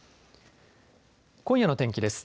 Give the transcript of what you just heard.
今夜の天気です。